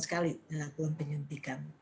sekali belum penyuntikan